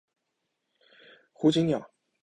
胡锦鸟。